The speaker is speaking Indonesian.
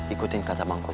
ikutin kata bang kobar